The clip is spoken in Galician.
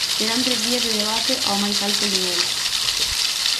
Serán tres días de debate ao máis alto nivel.